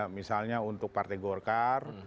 misalnya untuk partai golkar